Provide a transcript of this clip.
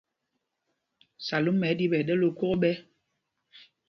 Salúma ɛ́ ɗǐ ɓɛ ɗɛ́l lɛ́ ókok ɓɛ̄.